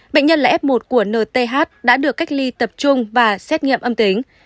bệnh nhân là f một của nth đã được cách ly tập trung và xét nghiệm âm tính